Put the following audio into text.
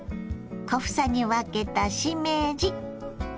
小房に分けたしめじ。